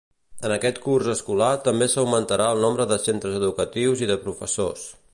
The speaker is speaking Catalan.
En aquest curs escolar també s'augmentarà el nombre de centres educatius i de professors.